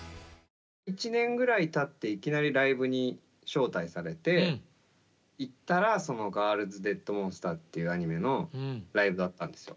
１年ぐらいたっていきなりライブに招待されて行ったらその「ＧｉｒｌｓＤｅａｄＭｏｎｓｔｅｒ」っていうアニメのライブだったんですよ。